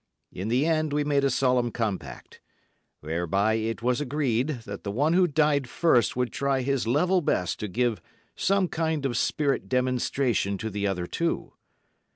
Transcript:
In the end we made a solemn compact, whereby it was agreed that the one who died first would try his level best to give some kind of spirit demonstration to the other two.